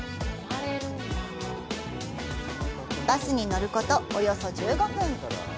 バスに乗ること、およそ１５分。